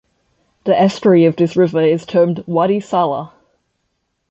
The estuary of this river is termed Wadi Sala.